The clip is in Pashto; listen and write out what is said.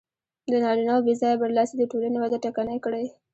د نارینهوو بې ځایه برلاسي د ټولنې وده ټکنۍ کړې.